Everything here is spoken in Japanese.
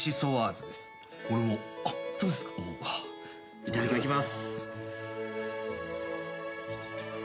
いただきます。